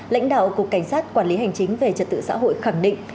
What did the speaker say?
lãnh đạo cục cảnh sát quản lý hành chính về trật tự xã hội khẳng định